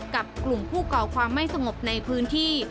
กับกลุ่มผู้ก่อความไม่สงบในพื้นที่